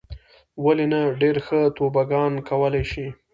ولې نه. ډېر ښه توبوګان کولای شې.